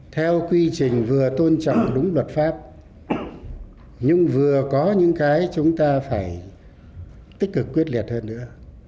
theo quy trình vừa tôn trọng đúng luật pháp nhưng vừa có những cái chúng ta phải tích cực quyết liệt hơn nữa